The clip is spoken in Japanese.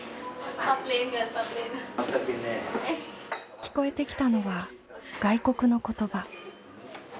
聞こえてきたのは外国の言葉。